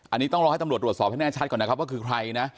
อันนี้ต้องรอให้ตำรวจตรวจสอบให้แน่ชัดก่อนนะครับว่าคือใครนะ